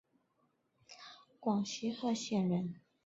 广西贺县人。